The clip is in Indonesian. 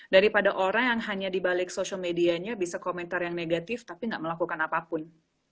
daripada orang yang hanya dibalik social medianya bisa komentar yang negatif tapi nggak melakukan apapun